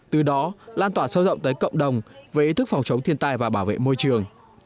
từ đó lan tỏa sâu rộng tới cộng đồng về ý thức phòng chống thiên tai và bảo vệ môi trường